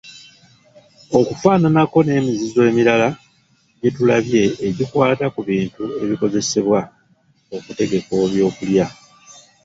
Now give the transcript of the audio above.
Okufananako n’emizizo emirala gye tulabye egikwata ku bintu ebikozesebwa okutegeka ebyokulya.